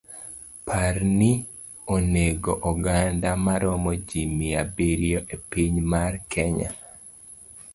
Parni onego oganda maromo ji mia abiriyo epinywa mar Kenya.